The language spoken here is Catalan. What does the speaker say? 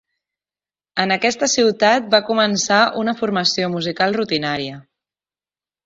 En aquesta ciutat va començar una formació musical rutinària.